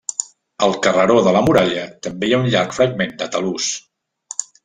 Al carreró de la Muralla també hi ha un llarg fragment de talús.